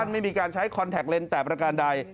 ไม่มีการใช้คอนแท็กเลนส์แต่ประการใด